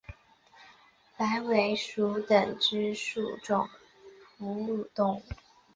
白尾鼹属等之数种哺乳动物。